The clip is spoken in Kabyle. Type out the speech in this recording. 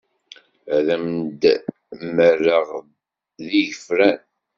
Ad am-d-mmareɣ d igefran.